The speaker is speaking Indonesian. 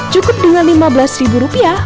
cukup dengan lima belas ribu rupiah